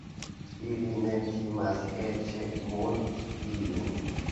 Ili ne timas eĉ murdi iun.